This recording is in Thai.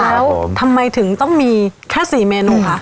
แล้วทำไมถึงต้องมีแค่๔เมนูคะ